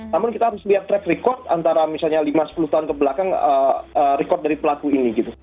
namun kita harus lihat track record antara misalnya lima sepuluh tahun kebelakang record dari pelaku ini gitu